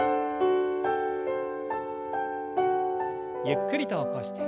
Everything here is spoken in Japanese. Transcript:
ゆっくりと起こして。